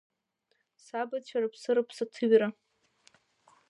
Сабацәа рыԥсы-рыԥсаҭыҩра…